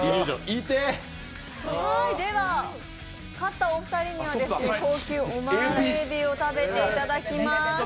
痛てでは、勝ったお二人には高級オマール海老を食べていただきます。